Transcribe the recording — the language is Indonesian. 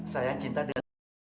sayang cinta dia